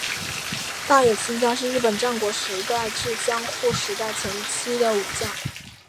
大友亲家是日本战国时代至江户时代前期的武将。